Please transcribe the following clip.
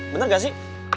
bener gak sih